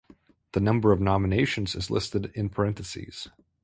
The number of nominations is listed in parentheses.